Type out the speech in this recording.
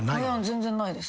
全然ないです。